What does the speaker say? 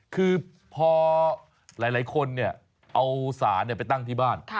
คือพอหลายคนเอาสารไปตั้งที่บ้าน